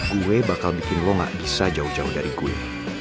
gue bakal bikin lo nggak bisa jauh jauh dari gue